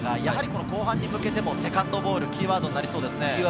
後半に向けて、セカンドボールがキーワードになりそうですね。